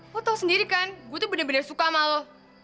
lo tau sendiri kan gue tuh bener bener suka sama lo